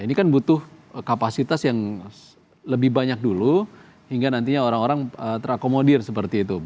ini kan butuh kapasitas yang lebih banyak dulu hingga nantinya orang orang terakomodir seperti itu